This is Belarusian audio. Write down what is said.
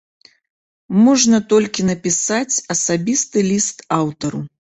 Можна толькі напісаць асабісты ліст аўтару.